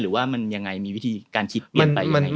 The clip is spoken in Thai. หรือว่ามันยังไงมีวิธีการคิดมันไปยังไง